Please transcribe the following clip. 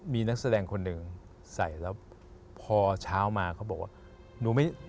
มีนักแสดงคนหนึ่งใส่แล้วพอเช้ามาเขาบอกว่าหนูไม่